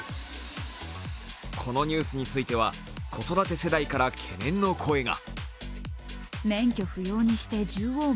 このニュースについては子育て世代から懸念の声が。